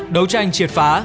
đấu tranh triệt phá